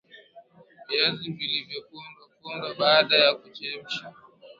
viazi vilivyopondwa pondwa baada ya kuchemshwa